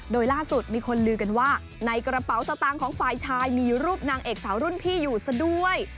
โดยล่าสุดมีคนลือกันว่าในกระเป๋าสตางค์ของฝ่ายชายมีรูปนางเอกสาวรุ่นพี่อยู่ซะด้วย